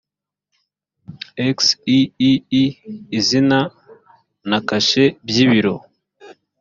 xiii izina na kashe by ibiro